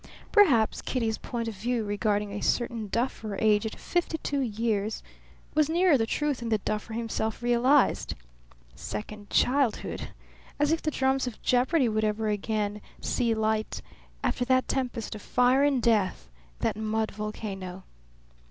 Perhaps Kitty's point of view regarding a certain duffer aged fifty two was nearer the truth than the duffer himself realized. Second childhood! As if the drums of jeopardy would ever again see light, after that tempest of fire and death that mud volcano!